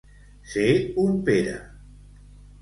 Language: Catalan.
Ser un Pere.